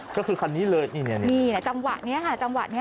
ก็คือคันนี้เลยนี่จังหวะนี้ค่ะจังหวะนี้